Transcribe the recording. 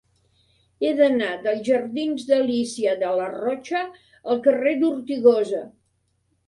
He d'anar dels jardins d'Alícia de Larrocha al carrer d'Ortigosa.